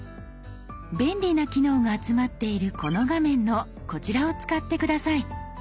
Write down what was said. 便利な機能が集まっているこの画面のこちらを使って下さい。